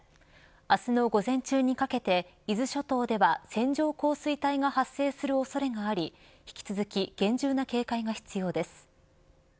明日の午前中にかけて伊豆諸島では線状降水帯が発生する恐れがあり引き続き厳重な警戒が必要です。